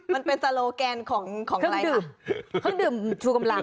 มันเป็นโซโลแกนของอะไรคะเครื่องดื่มชูกำลัง